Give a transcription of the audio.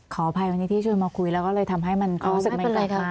ขอภัยวันนี้ที่ช่วยมาคุยแล้วก็เลยทำให้เขาสึกมันกระทะ